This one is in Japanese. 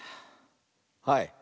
はい。